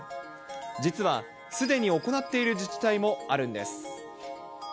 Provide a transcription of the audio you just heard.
実は、すでに行っている自治体もあるんです。